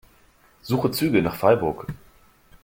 Suche Züge nach Freiburg.